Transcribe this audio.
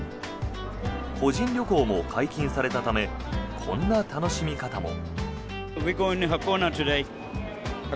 個人旅行も解禁されたためこんな楽しみ方も。